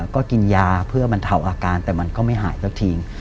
ก็กินยาเพื่อบรรเทาอาการแต่มันก็ไม่หายสักที